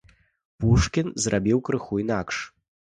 Пушкін зрабіў крыху інакш.